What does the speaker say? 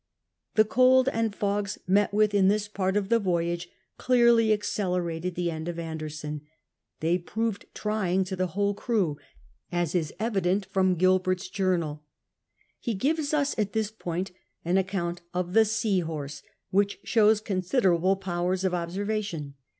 The cold and fogs met with in this part of tlie voyage clearly accelerated the end of Anderson ; they pn)vcd trying to the whole crew, as is evident from Gilbert's journal. He gives us at this point an account of the sea liorse, which shows considerable jiowers of observation.